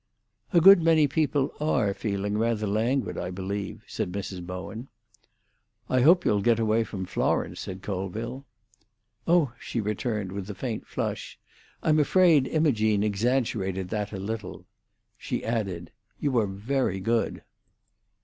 "A good many people are feeling rather languid, I believe," said Mrs. Bowen. "I hope you'll get away from Florence," said Colville. "Oh," she returned, with a faint flush, "I'm afraid Imogene exaggerated that a little." She added, "You are very good."